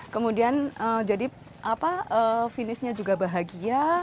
kemudian jadi finishnya juga bahagia